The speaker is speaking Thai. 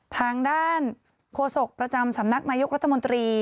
ทางด้านโฆษกประจำสำนักนายกรัฐมนตรี